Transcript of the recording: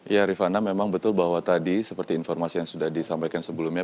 ya rifana memang betul bahwa tadi seperti informasi yang sudah disampaikan sebelumnya